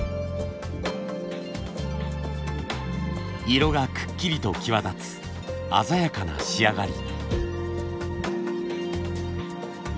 色がくっきりと際立つ鮮やかな仕上がり。